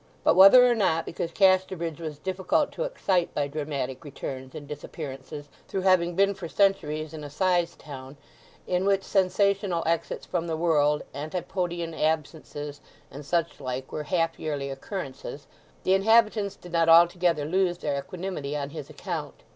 But whether or not because Casterbridge was difficult to excite by dramatic returns and disappearances through having been for centuries an assize town, in which sensational exits from the world, antipodean absences, and such like, were half yearly occurrences, the inhabitants did not altogether lose their equanimity on his account.